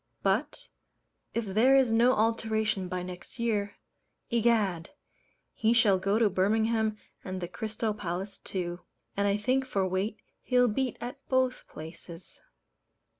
But, if there is no alteration by next year, Egad! he shall go to Birmingham and the Crystal Palace too; and I think for weight he'll beat at both places.